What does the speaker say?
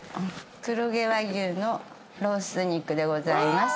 黒毛和牛のロース肉でございます。